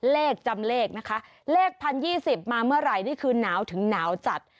เลขจำเลขนะคะเลข๑๐๒๐มาเมื่อไหร่นี่คือหนาวถึงหนาวจัด